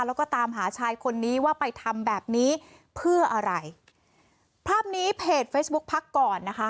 แล้วก็ตามหาชายคนนี้ว่าไปทำแบบนี้เพื่ออะไรภาพนี้เพจเฟซบุ๊คพักก่อนนะคะ